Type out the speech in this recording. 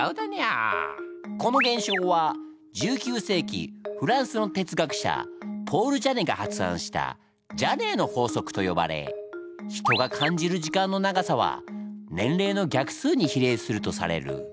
この現象は１９世紀フランスの哲学者ポール・ジャネが発案したジャネーの法則とよばれ人が感じる時間の長さは年齢の逆数に比例するとされる。